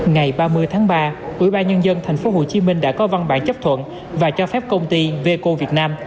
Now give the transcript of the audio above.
ngày ba mươi tháng ba ubnd tp hcm đã có văn bản chấp thuận và cho phép công ty veco việt nam